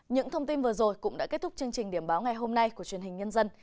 những thông tin vừa rồi cũng đã kết thúc chương trình điểm báo ngày hôm nay của truyền hình nhân dân